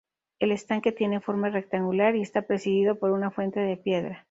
El estanque tiene forma rectangular y está presidido por una fuente de piedra.